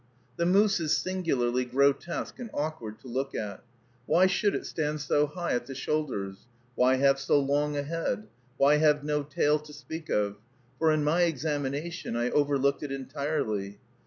The moose is singularly grotesque and awkward to look at. Why should it stand so high at the shoulders? Why have so long a head? Why have no tail to speak of? for in my examination I overlooked it entirely.